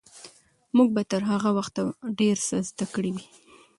موږ به تر هغه وخته ډېر څه زده کړي وي.